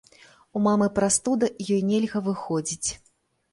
У мамы прастуда і ёй нельга выходзіць.